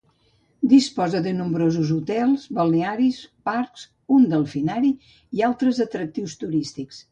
Disposa de nombrosos hotels, balnearis, parcs, un delfinari i altres atractius turístics.